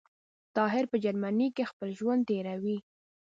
طاهر په جرمنی کي خپل ژوند تیروی